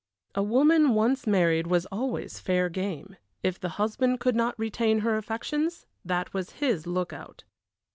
A woman once married was always fair game; if the husband could not retain her affections that was his lookout.